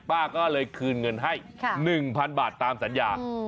ป้าก็เลยคืนเงินให้๑๐๐๐บาทตามสัญญา